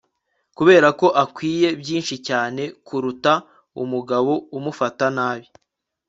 kuberako akwiye byinshi cyane, kuruta umugabo umufata nabi